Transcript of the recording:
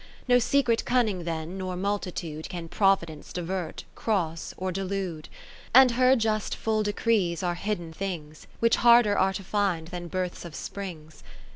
No secret cunning then nor multi tude Can Providence divert, cross or delude. And her just full decrees are hidden things, Which harder are to find than births of springs.